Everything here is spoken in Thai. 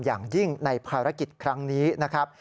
อย่างยิ่งในภารกิจครั้งนี้นะครับ